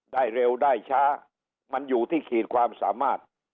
ได้เร็วได้ช้ามันอยู่ที่ขีดความสามารถ